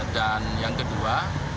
dan yang kedua